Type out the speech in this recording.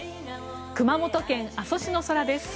熊本県阿蘇市の空です。